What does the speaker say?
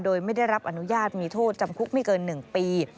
โดยไม่ได้รับอนุญาตมีโทษจำคุกไม่เกิน๑ปี